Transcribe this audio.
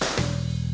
terima kasih bang